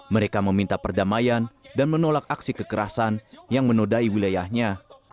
mereka meminta perdamaian dan menolak aksi kekerasan yang menodai wilayahnya